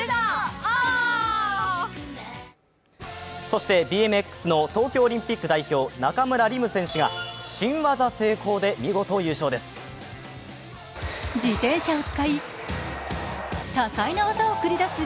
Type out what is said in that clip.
そしてＢＭＸの東京オリンピック代表中村輪夢選手が新技成功で見事優勝です。